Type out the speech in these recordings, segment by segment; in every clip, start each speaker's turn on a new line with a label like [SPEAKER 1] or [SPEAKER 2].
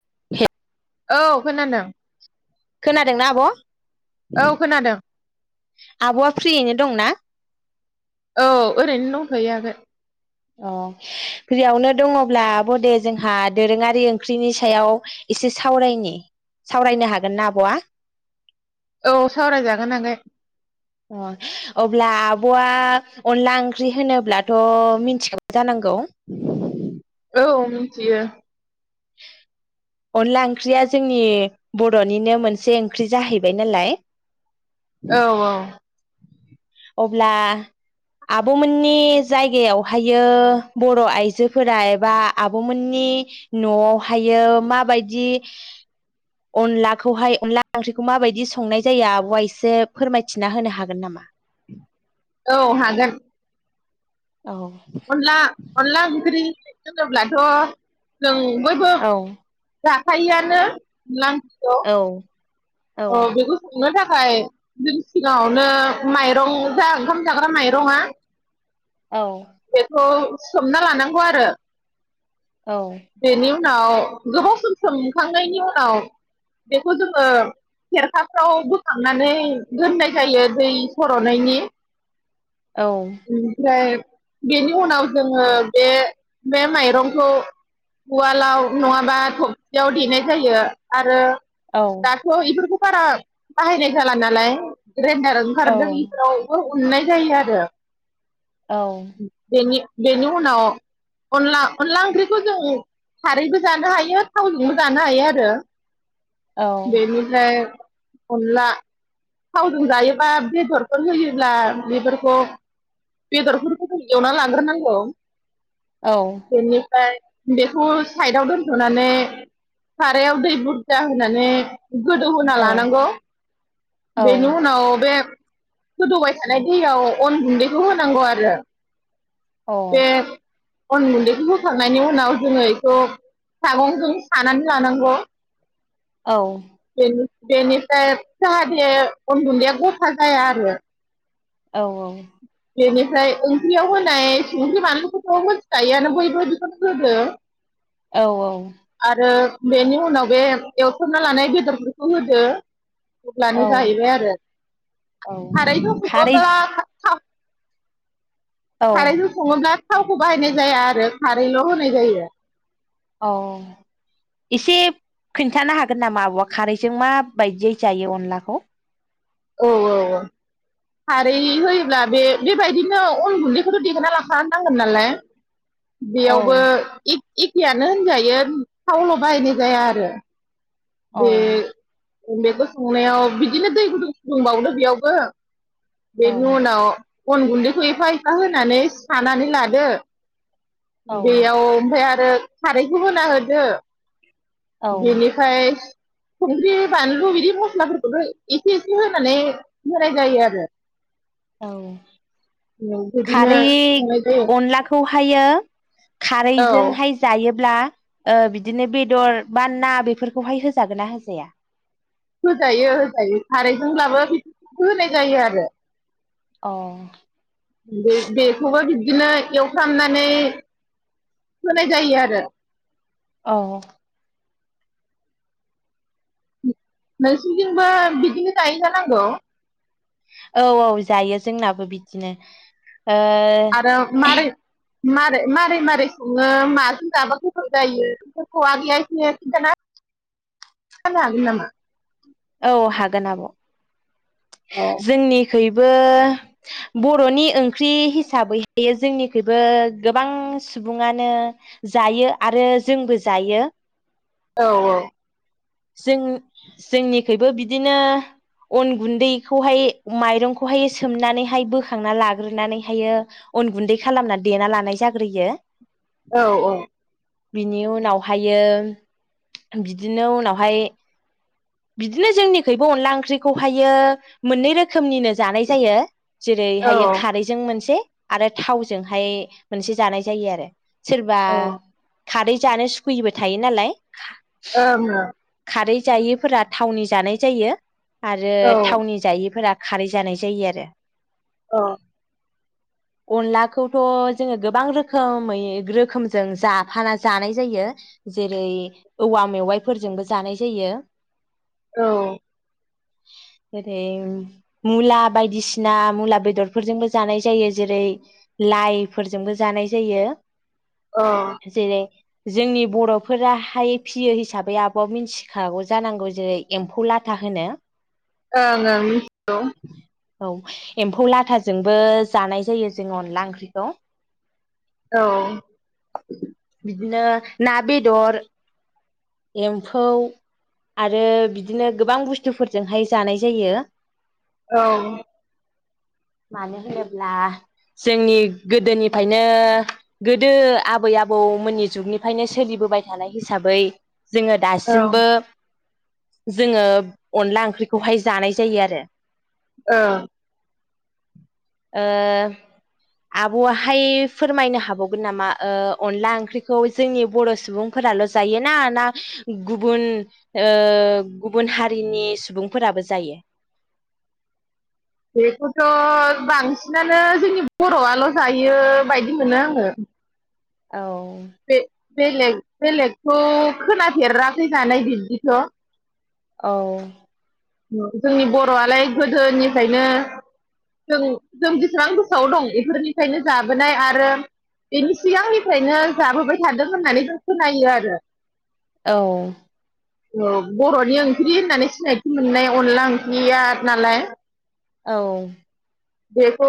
[SPEAKER 1] [unintelligible]
[SPEAKER 2] औ खोनादों।
[SPEAKER 1] खोनादोंना आब'?
[SPEAKER 2] औ खोनादों।
[SPEAKER 1] आब'आ फ्रियैनो दंना?
[SPEAKER 2] औ ओरैनो दंथ'यो आगै।
[SPEAKER 1] अ फ्रियावनो दङब्ला आब' दे जोंहा दोरोङारि ओंख्रिनि सायाव एसे सावरायनि सावरायनो हागोन ना आब'आ?
[SPEAKER 2] औ सावरायजागोन आगै।
[SPEAKER 1] अ अब्ला आब'आ अनला ओंख्रि होनोब्लाथ' मिन्थिखाबाय जानांगौ।
[SPEAKER 2] औ मोन्थियो।
[SPEAKER 1] अनला ओंख्रिया जोंनि बर'निनो मोनसे ओंख्रि जाहैबाय नालाय।
[SPEAKER 2] औ औ।
[SPEAKER 1] अब्ला आब'मोननि जायगायावहायो बर' आइजोफोरा एबा आब'मोननि न'आवहायो माबायदि अनलाखौहाय अनला ओंख्रिखौ माबायदि संनाय जायो आब'आ एसे फोरमायथिना होनो हागोन नामा?
[SPEAKER 2] औ हागोन।
[SPEAKER 1] औ
[SPEAKER 2] अनला अनला ओंख्रि होनोब्लाथ' जों बयबो
[SPEAKER 1] औ
[SPEAKER 2] जा थायोआनो लां
[SPEAKER 1] औ
[SPEAKER 2] [unintelligible] औ बेखौ संनो थाख नाथाय जों सिगाङावनो माइरं जा ओंखाम जाग्रा माइरङा।
[SPEAKER 1] औ।
[SPEAKER 2] बेखौ सोमना लानांगौ आरो।
[SPEAKER 1] औ।
[SPEAKER 2] बेनि उनाव गोबाव सम सोमखांनायनि उनाव बेखौ जोङो खेरखाफ्राव बोखांनानै दोननाय जायो दै सर'नायनि।
[SPEAKER 1] औ
[SPEAKER 2] ओमफाय। बेनि उनाव जोङो बे बे माइरंखौ उवालाव नङाबा थबसियाव देनाय जायो आरो
[SPEAKER 1] औ
[SPEAKER 2] दाथ' इफोरखो बारा बाहायनाय जाला नालाय रेनदार
[SPEAKER 1] औ
[SPEAKER 2] ओंखारदों इफोरावबो उननाय जायो आरो।
[SPEAKER 1] औ
[SPEAKER 2] जेनि बेनि उनाव अनला अनला ओंख्रि खौ जों खारैबो जानो हायो थावजोंबो जानो हायो आरो
[SPEAKER 1] अ औ
[SPEAKER 2] बेनिफ्राय अनला थावजों जायोबा बेदरफोर होयोब्ला बेफोरखौ बेदरफोरखौ जों एवना लाग्रोनांगौ बेनिफाय बेखौ साइडआव दोनथ'नानै सारायाव दै बुदजा हो होनानै गोदौ होना लानांगौ बेनि उनाव बे गोदौबाय थानाय दैयाव अन गुन्दैखौ होनांगौ आरो। जे अन गुन्दैखौ होखांनायनि उनाव जोङो इखौ सागंजों सानानै लानांगौ
[SPEAKER 1] औ
[SPEAKER 2] बेनिफ्राय जाहाथे अन गुन्दैया गथा जाया आरो
[SPEAKER 1] औ औ
[SPEAKER 2] बेनिफ्राय ओंख्रियाव होनाय संख्रि बानलुखौथ' मोनथिखायोआनो बयबो बिखौनो होदो।
[SPEAKER 1] औ औ
[SPEAKER 2] आरो बेनि उनाव बे एवथ'ना लानाय बेदरफोरखौ होदो
[SPEAKER 1] औ
[SPEAKER 2] अब्लानो जाहैबाय आरो
[SPEAKER 1] औ
[SPEAKER 2] खारै थावखौबो
[SPEAKER 1] खारै
[SPEAKER 2] बारा
[SPEAKER 1] औ
[SPEAKER 2] खारैखो सङोब्ला थावखौ बाहायनाय जाया आरो खारैल' होनाय जायो।
[SPEAKER 1] औ एसे खोन्थानो हागोन नामा आब'आ खारैजों माबायदियै जायो अनलाखौ
[SPEAKER 2] औ औ औ खारै होयोब्ला बे बेबायदिनो अन गुन्दैखौथ' देना लाखा नांगोन नालाय
[SPEAKER 1] औ
[SPEAKER 2] बेयावबो ए एखेयानो होनजायो थावल' बाहायनाय जाया आरो।
[SPEAKER 1] औ
[SPEAKER 2] बे बेखौ संनायाव बिदिनो दै गुदुं फुदुंबावदो बेयावबो
[SPEAKER 1] औ
[SPEAKER 2] बेनु उनाव अन गुन्दैखौ एफा एफा होनानै सानानै लादो
[SPEAKER 1] औ
[SPEAKER 2] बेयाव ओमफाय आंथ दोथ खारैखौ होना होदो बेनिफाय संख्रि बानलु बिदि मस्लाफोरखौबो एसे एसे होनानै होनाय जायो आरो
[SPEAKER 1] औ
[SPEAKER 2] बिदिनो
[SPEAKER 1] खारै
[SPEAKER 2] संनाय जायो
[SPEAKER 1] अनलाखौहायो
[SPEAKER 2] औ
[SPEAKER 1] खारैजोंहाय जायो ब्ला ओ बिदिनो बेदर बा ना बेफोरखौहाय होजागोन ना होजाया?
[SPEAKER 2] होजायो होजायो खारैजोंल्बाबो बिब होनाय जायो आरो
[SPEAKER 1] अ
[SPEAKER 2] बे बेख'बो दिदि बिदिनो एवफ्रामनानै होनाय जायो आरो
[SPEAKER 1] अ
[SPEAKER 2] नोंसिनदिनबो बिदिनो जायो जानांगौ।
[SPEAKER 1] औ औ जायो जोंनाबो बिदिनो। ओ।
[SPEAKER 2] आरो मारै मारै मारोरै मारोरै सङो माजों जाबा गोथौ जायो फोरखौ आगैया एसे खिथाना जानो हागोन नामा?
[SPEAKER 1] औ हागोन आब'।
[SPEAKER 2] औ
[SPEAKER 1] जोंनि खैबो बर'नि ओंख्रि हिसाबै जोंनिखैबो गोबां सुबुङानो जायो आरो जोंबो जायो।
[SPEAKER 2] औ औ
[SPEAKER 1] जों-जोंनिखबो बिदिनो अन गुन्दैखौहाय माइरंखौहाय सोमनानैहाय बोखांना लाग्रोनानैहाय अन गुन्दै खालामना देना लानाय जाग्रोयो
[SPEAKER 2] औ औ।
[SPEAKER 1] बिनि उनावहायो बिदिनो उनावहाय बिदिनो जोंनिखबो अनला ओंख्रिखौहायो मोननै रोखोमनिनो जानाय जायो।
[SPEAKER 2] औ
[SPEAKER 1] जेरैहायो खारैजों मोनसे आरो थावजोंहाय मोनसे जानाय जायो आरो सोरबा
[SPEAKER 2] औ ओं
[SPEAKER 1] खारै जानो सुखुयिबो थायो नालाय
[SPEAKER 2] ओं ओ
[SPEAKER 1] खारै जायैफोरा थावनि जानाय जायो। आरो
[SPEAKER 2] औ
[SPEAKER 1] थावनि जायैफोरा खारै जानाय जायो आरो
[SPEAKER 2] अ
[SPEAKER 1] अनलाखौथ' जोङो गोबां रोखोमै रोखोमजों जा हाना जानाय जायो जेरै औवा मेवाइफोरजोंबो जानाय जायो।
[SPEAKER 2] औ
[SPEAKER 1] जेरै मुला बायदिसिना मुला बेदरफोरजोंबो जानाय जायो जेरै लाइफोरजोंबो जानाय जायो। जेरै जोंनि बर'फोराहाय फियो हिसाबै आब'आ मिथिखागौ जानांगौ जेरै एम्फौ लाथा होनो।
[SPEAKER 2] ओं ओं मिथिगौ।
[SPEAKER 1] औ एम्फौ लाथाजोंबो जानाय जायो जोङो अनला ओंख्रिखौ।
[SPEAKER 2] औ
[SPEAKER 1] बिदिनो ना बेदर एम्फौ आरो बिदिनो गोबां बुस्थुफोरजोंहाय जानाय जायो।
[SPEAKER 2] औ
[SPEAKER 1] मानो होनोब्ला जोंनि गोदोनिफायनो गोदो आबै-आबौमोननि जुगनिफ्रायनो सोलिबोबाय थानाय हिसाबै जोङो
[SPEAKER 2] औ
[SPEAKER 1] दासिमबो जोंङो अनला ओंख्रिखौहाय जानाय जायो आरो।
[SPEAKER 2] ओ
[SPEAKER 1] ओ आब'आहाय फोरमायनो हाबावगोन नामा अनला ओंख्रिखौ जोंनि बर' सुबुंफोराल' जाय ना ना गुबुन ओ गुबुन हारिनि सुबुंफोराबो जायो?
[SPEAKER 2] बेखौथ' बांसिनानो जोंनि बर'आल' जायो बायदि मोनो आङो।
[SPEAKER 1] औ
[SPEAKER 2] बे बेलेग बेलेग खौ खोनाफेराखै जानाय बिब्दिथ'
[SPEAKER 1] औ
[SPEAKER 2] होनबाबो जोंनि बर'आलाय गोदोनिफ्रायनो जों जों बेसेबां गोसोआव दं बेफोरनिफ्रायनो जाबोनाय आरो बेनि सिगांनिफ्रायनो जाबोबाय थादों होननानै जों खोनायो आरो।
[SPEAKER 1] औ
[SPEAKER 2] औ बर'नि ओंख्रि होननानै सिनायथि मोननाय अनला ओंख्रिया नालाय
[SPEAKER 1] औ
[SPEAKER 2] बेखौ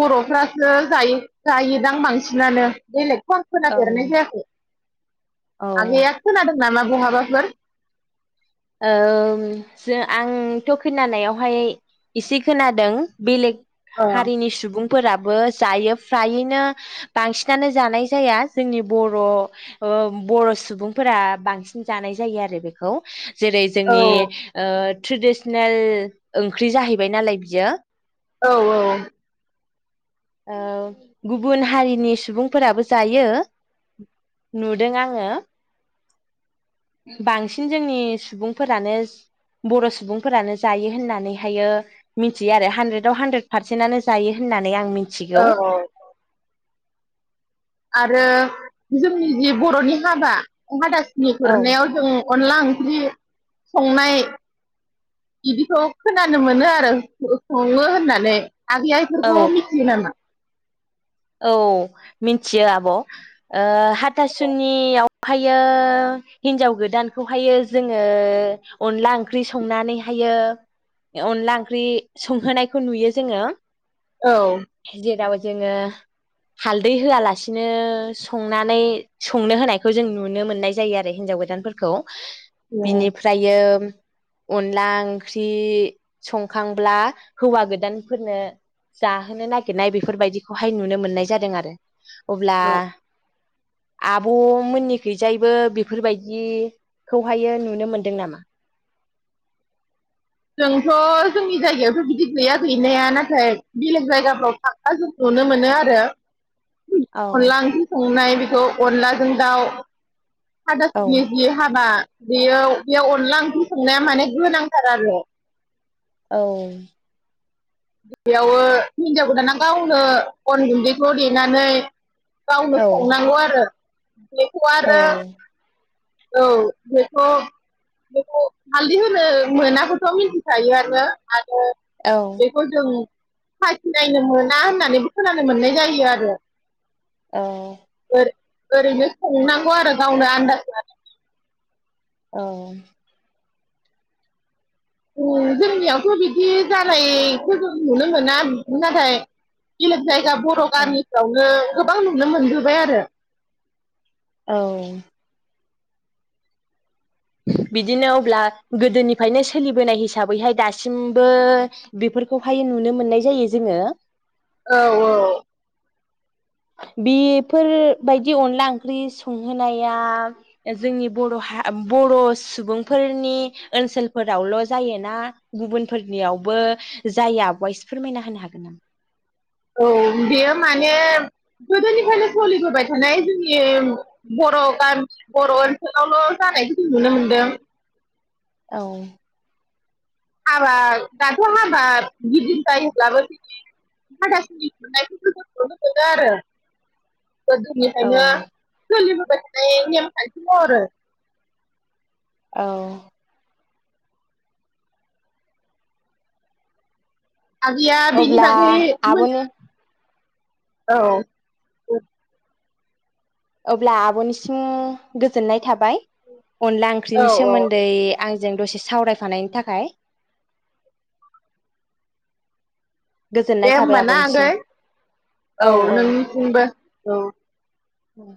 [SPEAKER 2] बर'फ्रासो जायो जायोदां बांसिनानो बेलेग खौ
[SPEAKER 1] औ
[SPEAKER 2] खोनाफेरनाय जायाखै।
[SPEAKER 1] औ
[SPEAKER 2] आगैआ खोनादों नामा बहाबाफोर?
[SPEAKER 1] ओम आंथ' खोनानायावहाय एसे खोनादों बेलेग
[SPEAKER 2] अ
[SPEAKER 1] हारिनि सुबुं‌ फोराबो जायो फ्रायैनो बांसिनानो जानाय जाया जोंनि बर' ओ बर' सुबुंफोरा बांसिन जानाय जायो आरो बेखौ। जेरै
[SPEAKER 2] औ
[SPEAKER 1] जोंनि ओ ट्रेडिसनेल ओंख्रि जाहैबाय नालाय बियो
[SPEAKER 2] औ औ
[SPEAKER 1] ओ गुबुन हारिनि सुबुंफोराबो जायो नुदों आङो बांसिन जोंनि सुबुंफोरानो बर' सुबुंफोरानो जायो होननानैहायो मिथियो आरो हानद्रेदआव हानद्रेद पारसेन्टनानो जायो होननानै नानै आं
[SPEAKER 2] औ
[SPEAKER 1] मिथिगौ।
[SPEAKER 2] आरो जोंनि जि बर'नि हाबा अहा दासिम‌ नुहोर
[SPEAKER 1] औ
[SPEAKER 2] नायाव जों अनला ओंख्रि संनाय बिदिखौ खोनानो मोनो आरो सो सङो होननानै आगैआ
[SPEAKER 1] औ
[SPEAKER 2] इफोरखौ मिथियो नामा?
[SPEAKER 1] औ मिथियो आब' ओ हाथासुनियावहायो हिन्जाव गोदानखौहायो जोङो अनला ओंख्रि संनानैहायो अनला ओंख्रि संहोनायखौ नुयो जोङो
[SPEAKER 2] औ
[SPEAKER 1] जेराव जोङो हालदै होआलासिनो संनानै संनो होनायखौ जों नुनो मोननाय जायो आरो हिनजाव गोदानफोरखौ बिनिफ्रायो अनला ओंख्रि संखांब्ला हौवा गोदानफोरनो जाहोनो नागिरनाय बेफोरबायदिखौहाय नु नो मोननाय जादों आरो। अब्ला आब'मोननिखैजायबो बेफोरबायदिखौहायो नुनो मोनदों नामा?
[SPEAKER 2] जोंथ' जोंनि जायगायावथ' बिदि गैया गैनाया नाथाय बेलेग जायगाफ्राव थांबा जों नुनो मोनो आरो। उ
[SPEAKER 1] औ
[SPEAKER 2] अनला ओंख्रि संनाय बि खौ अनलाजों दाउ।
[SPEAKER 1] औ
[SPEAKER 2] हाथासुनि जि हाबा बेयो बेयाव अनला ओंख्रि संनाया माने गोनांथार आरो।
[SPEAKER 1] औ
[SPEAKER 2] बेयावो हिनजाव गोदाना गावनो अन गुन्दैखौ देनानै गावनो
[SPEAKER 1] औ
[SPEAKER 2] संनांगौ आरो बेखौ
[SPEAKER 1] औ
[SPEAKER 2] आरो औ बेखौ बेखौ हालदै होनो मोनाखौथ' मिथिखायो आरो। ओ बेखौ जों साखिनायनो मोना होननानैबो खोनानो मोननाय जायो आरो।
[SPEAKER 1] औ
[SPEAKER 2] ओरैनो सोंनांगौ आरो गावनो आन्दाज लानानै
[SPEAKER 1] औ
[SPEAKER 2] उ जोंनियावथ' बिदि जानायखौ जों नुनो मोना नाथाय बेलेक जाय जा बर'
[SPEAKER 1] औ
[SPEAKER 2] गामिफ्रावनो गोबां नुनो मोनबोबाय आरो।
[SPEAKER 1] औ बिदिनो अब्ला गोदोनिफ्रायनो सोलिबोनाय हिसाबैहाय दासिमबो बेफोरखौहाय नुनो मोननाय जायो जोङो।
[SPEAKER 2] औ औ
[SPEAKER 1] बेफोर बायदि अनला ओंख्रि संहोनाया जोंनि बर' हा बर' सुबुंफोरनि ओनसोलफोरावल जायोना गुबुनफोरनियावबो जायो आब'आ इसे फोरमायना होनो हागोन
[SPEAKER 2] औ बेयो माने गोदोनिफ्रायनो सलिबोबाय थानाय जोंनि बर' गाम बर' ओनसोलावल' जानायखौ नुनो मोनदों।
[SPEAKER 1] औ
[SPEAKER 2] हाबा दाथ' हाबा गिदिर जायोब्लाबो बिदि हाथासुनि खुरनायखौ नुनो मोनो आरो। गोदोनिफ्रायनो
[SPEAKER 1] औ
[SPEAKER 2] सोलिबोद मोननाय नेमखान्थि महरै।
[SPEAKER 1] औ
[SPEAKER 2] आगैया बिनि
[SPEAKER 1] अब्ला
[SPEAKER 2] बागै मोन
[SPEAKER 1] आब'नो
[SPEAKER 2] औ
[SPEAKER 1] अब्ला आब'निसिम गोजोननाय थाबाय। अनला
[SPEAKER 2] औ
[SPEAKER 1] ओंख्रिनि
[SPEAKER 2] औ
[SPEAKER 1] सोमोन्दै आंजों दसे सावरायफानायनि थाखाय।
[SPEAKER 2] दे
[SPEAKER 1] गोजोननाय थाबाय
[SPEAKER 2] होमबा ना
[SPEAKER 1] आब'निसिम
[SPEAKER 2] आगै औ नोंबो औ।
[SPEAKER 1] औ।